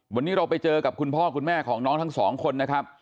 วันนี้เราไปเจอกับคุณพ่อคุณแม่ของน้องทั้งสองคนนะครับ